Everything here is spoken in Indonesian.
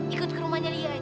ikut ke rumahnya lia aja yuk